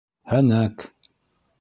Һәнәк!